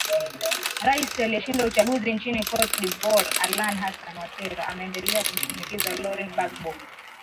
rais aliyeshinda uchaguzi nchini cote devoire alan hassan watera ameendelea kumshinikiza lauren bagbo